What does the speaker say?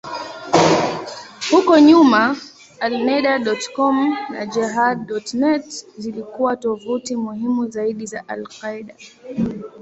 Huko nyuma, Alneda.com na Jehad.net zilikuwa tovuti muhimu zaidi za al-Qaeda.